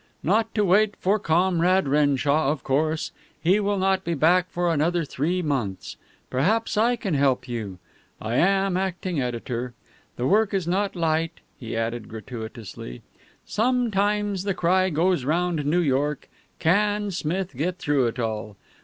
"Not to wait for Comrade Renshaw, of course. He will not be back for another three months. Perhaps I can help you. I am acting editor. The work is not light," he added gratuitously. "Sometimes the cry goes round New York, 'Can Smith get through it all?